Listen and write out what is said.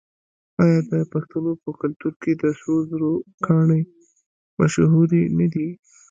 آیا د پښتنو په کلتور کې د سرو زرو ګاڼې مشهورې نه دي؟